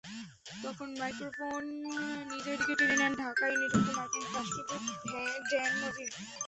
তখন মাইক্রোফোন নিজের দিকে টেনে নেন ঢাকায় নিযুক্ত মার্কিন রাষ্ট্রদূত ড্যান মজীনা।